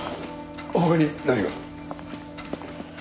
他に何が？